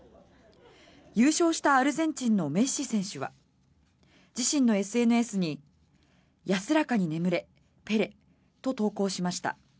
優勝したアルゼンチンのメッシ選手は自身のＳＮＳに安らかに眠れ、ペレと投稿しました。